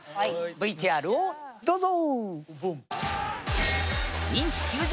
ＶＴＲをどうぞ！